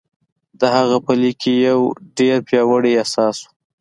د هغه په ليک کې يو ډېر پياوړی احساس و.